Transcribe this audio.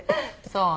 そう。